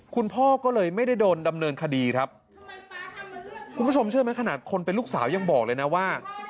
คุณพ่อก็เลยไม่ได้โดนดำเนินคดีครับคุณผู้ชมเชื่อไหมขนาดคนเป็นลูกสาวยังบอกเลยนะว่า